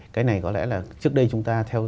cái này có lẽ là trước đây chúng ta theo